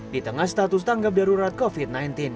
di tengah status tanggap darurat covid sembilan belas